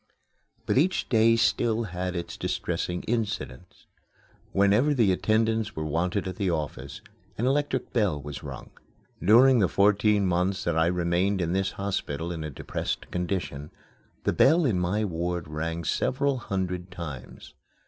But each day still had its distressing incidents. Whenever the attendants were wanted at the office, an electric bell was rung. During the fourteen months that I remained in this hospital in a depressed condition, the bell in my ward rang several hundred times.